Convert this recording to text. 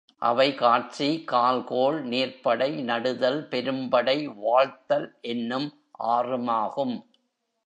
அவை காட்சி, கால் கோள், நீர்ப்படை, நடுதல், பெரும்படை, வாழ்த்தல் என்னும் ஆறுமாகும்.